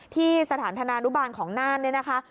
ที่สถานธนานุบาลของน่านเนี่ยนะคะ